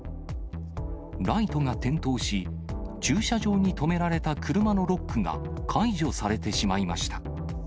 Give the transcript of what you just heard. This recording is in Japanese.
ライトが点灯し、駐車場に止められた車のロックが解除されてしまいました。